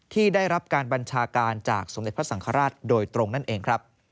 ที่ได้รับการบัญชาการจากสมเด็จพระสังฆราชโดยตรงนั่นเองครับ